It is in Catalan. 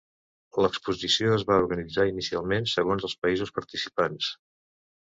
L'exposició es va organitzar inicialment segons els països participants.